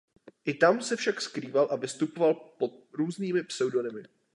I tam se však skrýval a vystupoval pod různými pseudonymy.